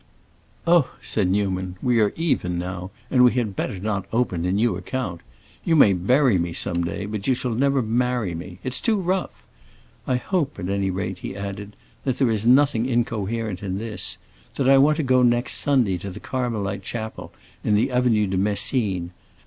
"Oh," said Newman, "we are even now, and we had better not open a new account! You may bury me some day, but you shall never marry me. It's too rough. I hope, at any rate," he added, "that there is nothing incoherent in this—that I want to go next Sunday to the Carmelite chapel in the Avenue de Messine.